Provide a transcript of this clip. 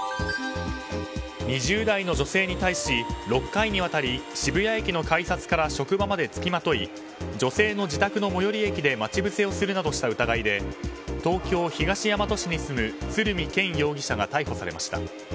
２０代の女性に対し６回にわたり渋谷駅の改札から職場まで付きまとい女性の自宅の最寄り駅で待ち伏せをするなどした疑いで東京・東大和市に住む鶴見憲容疑者が逮捕されました。